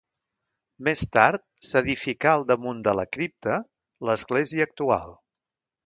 Més tard s'edificà al damunt de la cripta l'església actual.